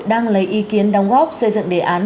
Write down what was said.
đang lấy ý kiến đóng góp xây dựng đề án